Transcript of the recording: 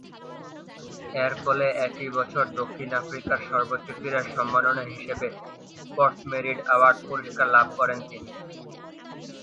এরফলে একই বছর দক্ষিণ আফ্রিকার সর্বোচ্চ ক্রীড়া সম্মাননা হিসেবে স্পোর্টস মেরিট অ্যাওয়ার্ড পুরস্কার লাভ করেন তিনি।